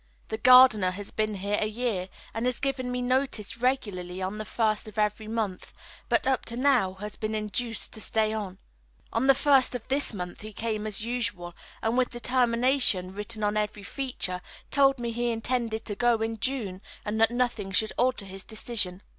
The gardener has been here a year and has given me notice regularly on the first of every month, but up to now has been induced to stay on. On the first of this month he came as usual, and with determination written on every feature told me he intended to go in June, and that nothing should alter his decision.